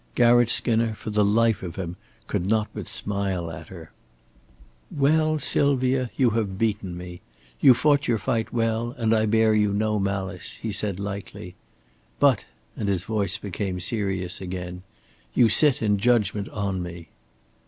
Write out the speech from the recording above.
Garratt Skinner for the life of him could not but smile at her. "Well, Sylvia, you have beaten me. You fought your fight well, and I bear you no malice," he said, lightly. "But," and his voice became serious again, "you sit in judgment on me."